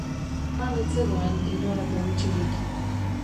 Han ez zegoen inolako bitxirik.